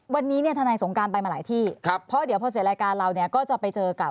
วันนี้เนี่ยทนายสงการไปมาหลายที่ครับเพราะเดี๋ยวพอเสร็จรายการเราเนี่ยก็จะไปเจอกับ